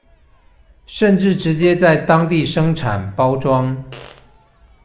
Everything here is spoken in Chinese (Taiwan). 甚至直接在當地生產、包裝